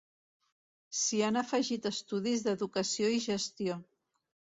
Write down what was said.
S'hi han afegit estudis d'educació i gestió.